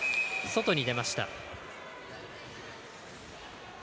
外に出ました。